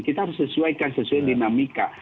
kita harus sesuaikan sesuai dinamika